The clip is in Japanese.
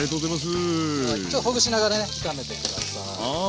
ちょっとほぐしながらね炒めてください。